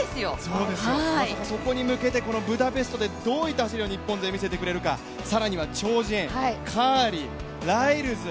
そこに向けてブダペストでどういった走りを日本勢、見せてくれるか、更には超人、カーリーライルズ。